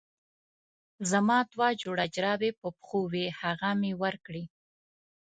زما دوه جوړه جرابې په پښو وې هغه مې ورکړې.